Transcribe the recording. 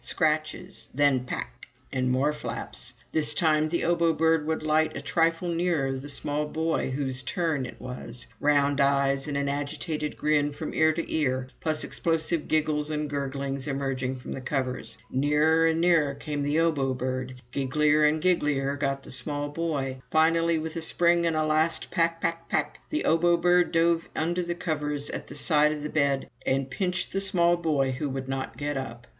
Scratches. Then "Pak!" and more flaps. This time the Obo Bird would light a trifle nearer the small boy whose "turn" it was round eyes, and an agitated grin from ear to ear, plus explosive giggles and gurglings emerging from the covers. Nearer and nearer came the Obo Bird. Gigglier and gigglier got the small boy. Finally, with a spring and a last "Pak! Pak! Pak!" the Obo Bird dove under the covers at the side of the bed and pinched the small boy who would not get up.